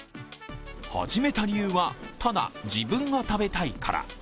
始めた理由は、ただ自分が食べたいから。